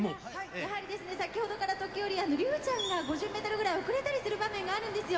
やはり先ほどから時折、竜ちゃんが５０メートルぐらい遅れたりする場面があるんですよ。